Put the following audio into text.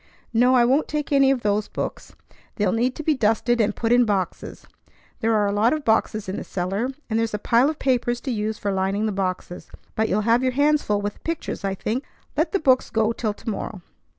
"No, I won't take any of those books. They'll need to be dusted and put in boxes. There are a lot of boxes in the cellar, and there's a pile of papers to use for lining the boxes. But you'll have your hands full with the pictures, I think. Let the books go till to morrow."